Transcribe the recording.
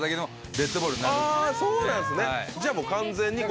そうなんですねじゃあ。